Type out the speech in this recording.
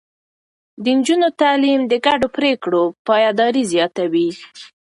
د نجونو تعليم د ګډو پرېکړو پايداري زياتوي.